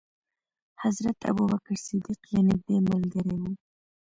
حضرت ابو بکر صدیق یې نېږدې ملګری و.